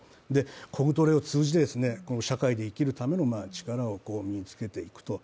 コグトレを通じて社会で生きるための力を身に付けていくと。